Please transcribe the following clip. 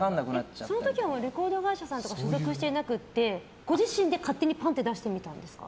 その時はレコード会社さんとか所属していなくてご自身で勝手に出してみたんですか。